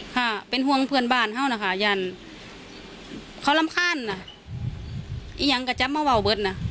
ก็เองก็จับมาว่าว่าเบิดนะ